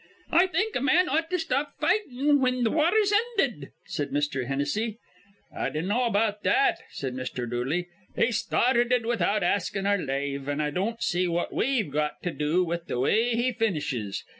"I think a man ought to stop fightin' whin th' war is ended," said Mr. Hennessy. "I dinnaw about that," said Mr. Dooley. "He started without askin' our lave, an' I don't see what we've got to do with th' way he finishes.